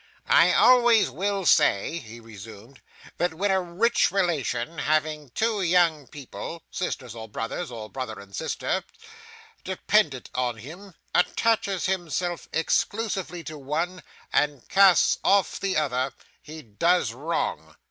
'I always will say,' he resumed, 'that when a rich relation having two young people sisters or brothers, or brother and sister dependent on him, attaches himself exclusively to one, and casts off the other, he does wrong.